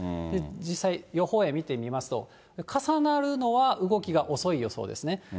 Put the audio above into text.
実際、予報円見てみますと、重なるのは動きが遅い予想ですね。